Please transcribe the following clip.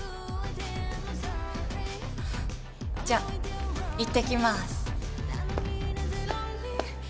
じゃいってきまーす。